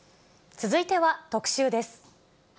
続いては特集です。